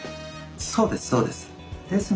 そうですそうです。